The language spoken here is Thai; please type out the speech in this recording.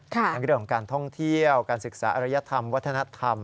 ทั้งเรื่องของการท่องเที่ยวการศึกษาอรยธรรมวัฒนธรรม